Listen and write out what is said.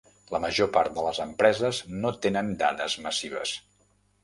La major part de les empreses no tenen dades massives.